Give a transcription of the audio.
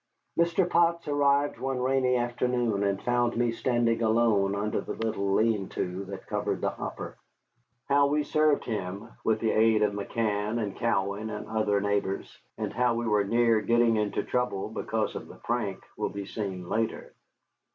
Mr. Potts arrived one rainy afternoon and found me standing alone under the little lean to that covered the hopper. How we served him, with the aid of McCann and Cowan and other neighbors, and how we were near getting into trouble because of the prank, will be seen later.